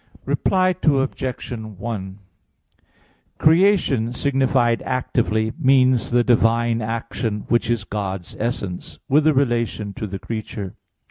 Reply Obj. 1: Creation signified actively means the divine action, which is God's essence, with a relation to the creature.